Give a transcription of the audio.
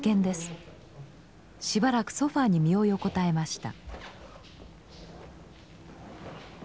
しばらくソファーに身を横たえました。